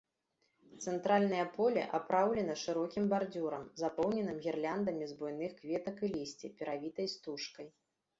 Цэнтральнае поле апраўлена шырокім бардзюрам, запоўненым гірляндай з буйных кветак і лісця, перавітай стужкай.